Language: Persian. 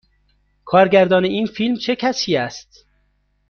کارگردان این فیلم چه کسی است؟